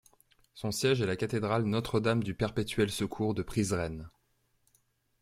Son siège est la cathédrale Notre-Dame-du-Perpétuel-Secours de Prizren.